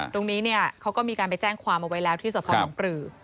ตรงนี้เนี่ยเขาก็มีการไปแจ้งความเอาไว้แล้วที่สะพอน้องปลือ